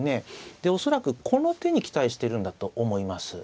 で恐らくこの手に期待してるんだと思います。